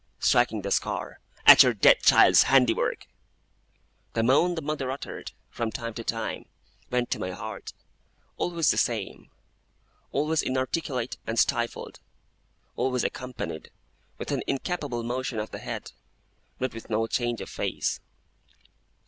striking the scar, 'at your dead child's handiwork!' The moan the mother uttered, from time to time, went to My heart. Always the same. Always inarticulate and stifled. Always accompanied with an incapable motion of the head, but with no change of face.